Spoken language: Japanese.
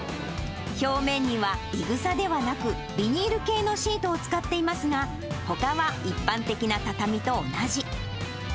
表面には、い草ではなく、ビニール系のシートを使っていますが、ほかは一般的な畳と同じ。